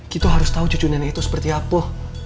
kita harus tahu cucu nenek itu seperti apa